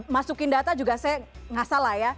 masukin data juga saya nggak salah ya